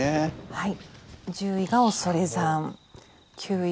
はい。